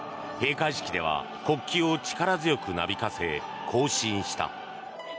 閉会式では国旗を力強くなびかせ行進した。